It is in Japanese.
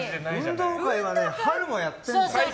運動会はね、春もやってんだよ。